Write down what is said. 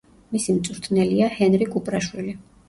მისი მწვრთნელია ჰენრი კუპრაშვილი.